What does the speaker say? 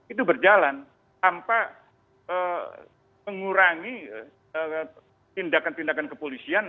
itu berjalan tanpa mengurangi tindakan tindakan kepolisian